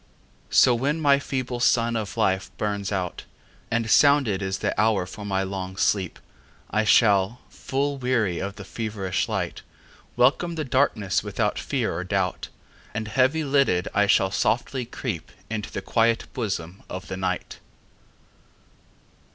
So when my feeble sun of life burns out, And sounded is the hour for my long sleep,I shall, full weary of the feverish light, Welcome the darkness without fear or doubt, And heavy lidded, I shall softly creepInto the quiet bosom of the Night.